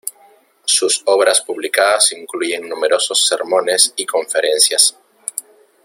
Sus obras publicadas incluyen numerosos sermones y conferencias.